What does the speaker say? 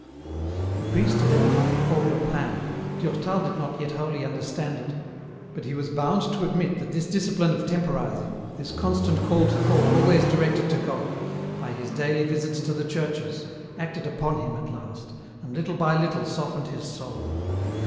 The priest had evidently formed a plan ; Durtal did not yet wholly understand it, but he was bound to admit that this discipline of temporising, this constant call to thought EN ROUTE. 69 always directed to God, by his daily visits to the churches, acted upon him at last, and little by little softened his soul.